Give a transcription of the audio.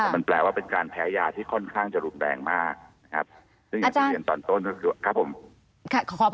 มันแปลว่าเป็นการแพ้ยาที่ค่อนข้างจะหลุมแรงมากนะครับ